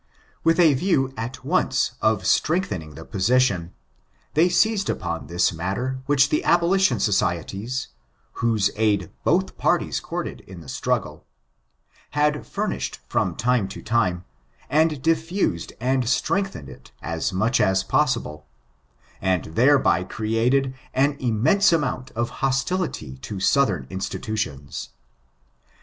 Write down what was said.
With a view at once of strengthening the position, they seized upon this matter which the abolition societies (whose aid both parties courted in the struggle) had furnished from time to time, and diffused and strengthened it as much as possible, and thereby created an immense amount of hostility to Southern institutions.